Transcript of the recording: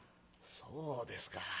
「そうですか。